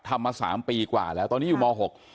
ทำมาสามปีกว่าแล้วตอนนี้อยู่มหก